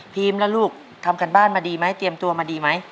แล้วลูกทำการบ้านมาดีไหมเตรียมตัวมาดีไหม